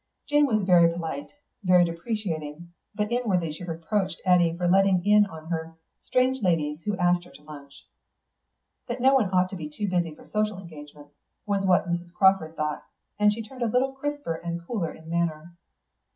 Jane was very polite, very deprecating, but inwardly she reproached Eddy for letting in on her strange ladies who asked her to lunch. That no one ought to be too busy for social engagements, was what Mrs. Crawford thought, and she turned a little crisper and cooler in manner.